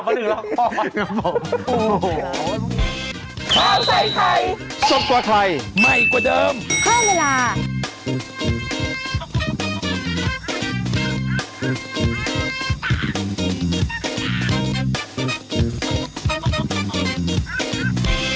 สโรคแก่ไหนให้เขาด้วยดูข่าวประหนึ่งละคร